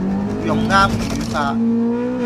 用啱語法